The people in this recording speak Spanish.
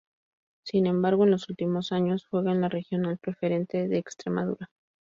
Sin embargo, en los últimos años, juega en la Regional Preferente de Extremadura.